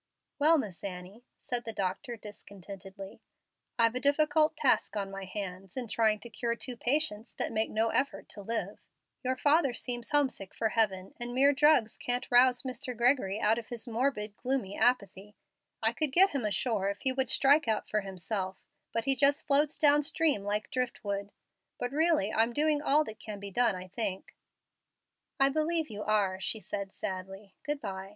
"Well, Miss Annie," said the doctor, discontentedly, "I've a difficult task on my hands, in trying to cure two patients that make no effort to live. Your father seems homesick for heaven, and mere drugs can't rouse Mr. Gregory out of his morbid, gloomy apathy. I could get him ashore if he would strike out for himself, but he just floats down stream like driftwood. But really I'm doing all that can be done, I think." "I believe you are," she said, sadly. "Good by."